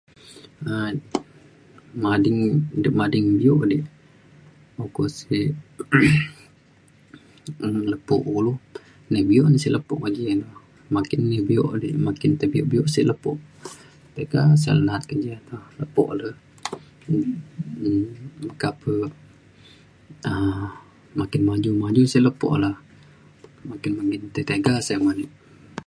um mading de mading bio de ukok sek lepo kulu nai bio na sek lepo maju na. Makin bio bio di makin ti bio bio sik lepo tiga asal na’at ke ja toh lepo le um meka pe um makin maju maju sik lepo le makin [unintelligible] sik tiga [unintelligible]